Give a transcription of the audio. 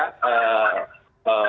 jadi ini adalah hal yang penting